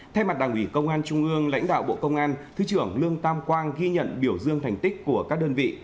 thay mặt đảng ủy công an trung ương lãnh đạo bộ công an thứ trưởng lương tam quang ghi nhận biểu dương thành tích của các đơn vị